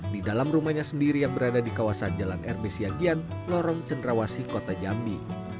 di dalam rumahnya sendiri yang berada di kawasan jalan rb siagian lorong cendrawasi kota jambi